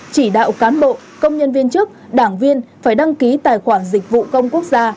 chỉ đạo cán bộ công nhân viên chức đảng viên phải đăng ký tài khoản dịch vụ công quốc gia